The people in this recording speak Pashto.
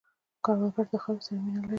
کروندګر د خاورې سره مینه لري